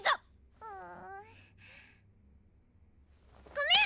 ごめん！